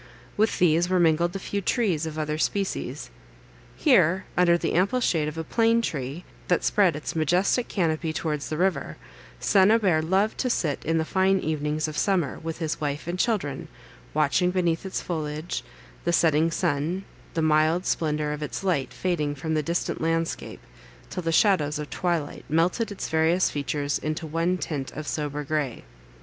With these were mingled a few trees of other species. Here, under the ample shade of a plane tree, that spread its majestic canopy towards the river, St. Aubert loved to sit in the fine evenings of summer, with his wife and children, watching, beneath its foliage, the setting sun, the mild splendour of its light fading from the distant landscape, till the shadows of twilight melted its various features into one tint of sober grey.